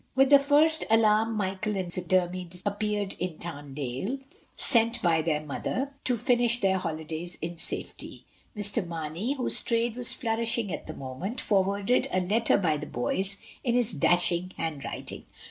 With the first alarm Michael and Dermy appeared in Tarndale, sent by their mother, to finish their holidays, in safety. Mr. Mamey, whose trade was flourishing for the moment, forwarded a letter by the boys, in his dashing handwriting.